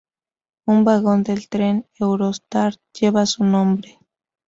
Un vagón del tren Eurostar lleva su nombre.